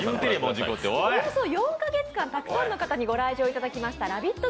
およそ４か月間、たくさんの方にご来場いただきましたラヴィット！